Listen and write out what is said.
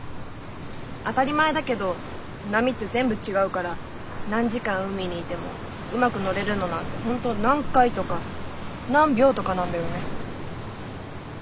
当たり前だけど波って全部違うから何時間海にいてもうまく乗れるのなんて本当何回とか何秒とかなんだよね。